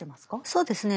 そうですね。